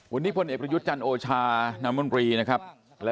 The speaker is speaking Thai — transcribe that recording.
เข้าแล้วนะครับมันดับไปแล้วดับไปแล้วพี่เขาไปดับปู